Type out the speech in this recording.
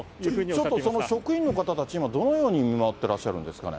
ちょっとその職員の方たち、どのように見守ってらっしゃるんですかね。